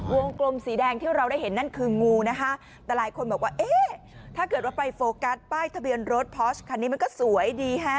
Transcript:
กลมสีแดงที่เราได้เห็นนั่นคืองูนะคะแต่หลายคนบอกว่าเอ๊ะถ้าเกิดว่าไปโฟกัสป้ายทะเบียนรถพอร์ชคันนี้มันก็สวยดีฮะ